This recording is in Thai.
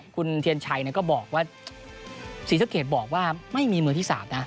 คุณเทียนชัยก็บอกว่าศรีสะเกดบอกว่าไม่มีมือที่๓นะ